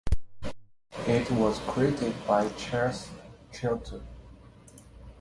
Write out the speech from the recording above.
It was created by Charles Chilton.